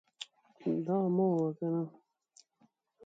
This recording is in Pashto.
آیا میلمه ته د لاس مینځلو لپاره اوبه نه اچول کیږي؟